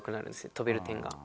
跳べる点が。